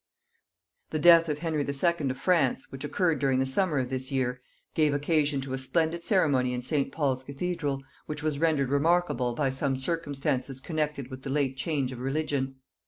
The death of Henry II. of France, which occurred during the summer of this year, gave occasion to a splendid ceremony in St. Paul's cathedral, which was rendered remarkable by some circumstances connected with the late change of religion.